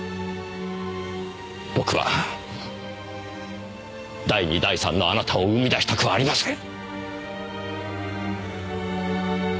僕は第二第三のあなたを生み出したくはありません。